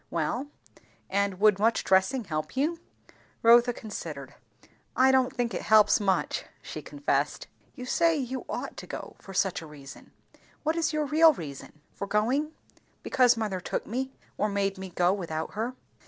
"Well, and would much dressing help you?" Rotha considered. "I don't think it helps much," she confessed. "You say, you ought to go for such a reason; what is your real reason?" "For going? Because mother took me; or made me go without her."